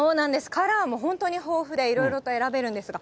カラーも本当に豊富で、いろいろと選べるんですが。